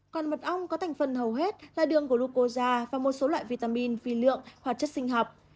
còn mật ong có thành phần hầu hết là đường glucosa và một số loại vitamin phi lượng hoặc chất sinh học